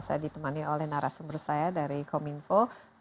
saya ditemani oleh narasumber saya dari kominfo